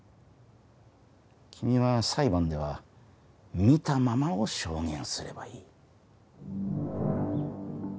君は裁判では見たままを証言すればいい。